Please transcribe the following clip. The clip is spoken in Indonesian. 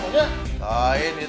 jurus anjar itu namanya